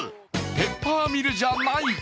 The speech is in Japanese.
ペッパーミルじゃない？